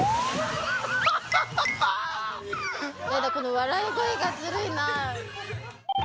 ・笑い声がずるいな。